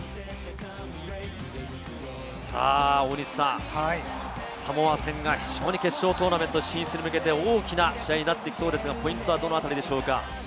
大西さん、サモア戦が非常に決勝トーナメント進出に向けて大きな試合になってきそうですが、ポイントはどのあたりでしょうか？